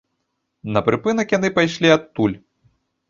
На прыпынак яны прыйшлі адтуль.